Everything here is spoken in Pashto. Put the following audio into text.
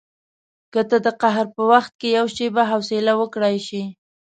که ته د قهر په وخت کې یوه شېبه حوصله وکړای شې.